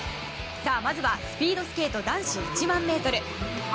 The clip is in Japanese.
まずはスピードスケート男子１００００ｍ。